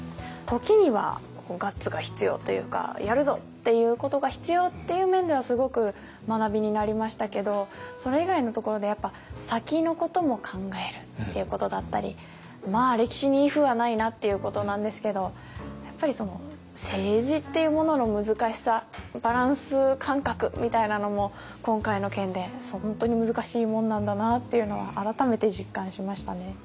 時にはガッツが必要というかやるぞ！っていうことが必要っていう面ではすごく学びになりましたけどそれ以外のところでやっぱ先のことも考えるっていうことだったりまあ歴史にイフはないなっていうことなんですけどやっぱり政治っていうものの難しさバランス感覚みたいなのも今回の件で本当に難しいものなんだなっていうのは改めて実感しましたね。